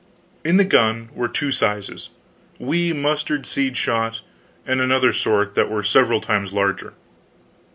In the gun were two sizes wee mustard seed shot, and another sort that were several times larger.